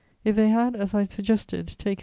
If they had, as I suggested, taken M.